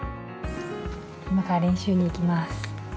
今から練習に行きます。